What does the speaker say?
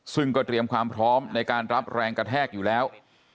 ซึ่งก็เตรียมความพร้อมในการรับแรงกระแทกอยู่แล้ว